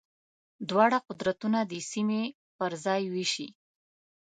دواړه قدرتونه دې سیمې پر ځان وېشي.